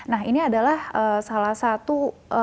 nah ini adalah salah satu